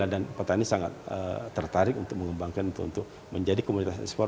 dan petani sangat tertarik untuk mengembangkan untuk menjadi komunitas ekspor